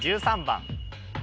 １３番